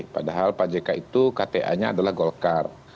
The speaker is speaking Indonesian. padahal pak jk itu kta nya adalah golkar